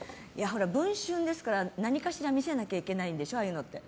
「文春」ですから、何かしら見せなきゃいけないんでしょああいうのって。